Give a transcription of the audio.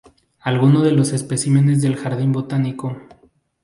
Algunos de los especímenes del jardín botánico.